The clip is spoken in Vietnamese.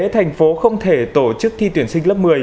thành phố không thể tổ chức thi tuyển sinh lớp một mươi